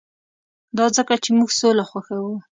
دا ځکه چې موږ سوله خوښوو